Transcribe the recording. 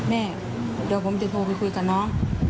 แม่เดี๋ยวผมจะโทรไปคุยกับน้อง